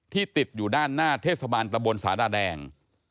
ติดอยู่ด้านหน้าเทศบาลตะบนสาราแดง